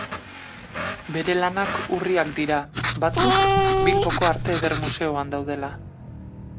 Bere lanak urriak dira, batzuk Bilboko Arte Eder Museoan daudela.